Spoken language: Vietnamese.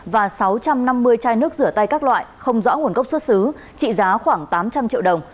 và sáu trăm năm mươi chai nước rửa tay các loại không rõ nguồn gốc xuất xứ trị giá khoảng tám trăm linh triệu đồng